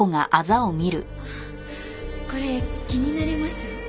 ああこれ気になります？